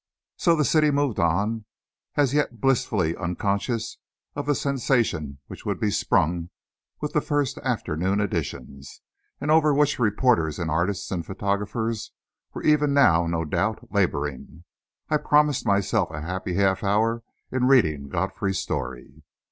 So the city moved on, as yet blissfully unconscious of the sensation which would be sprung with the first afternoon editions, and over which reporters and artists and photographers were even now, no doubt, labouring. I promised myself a happy half hour in reading Godfrey's story!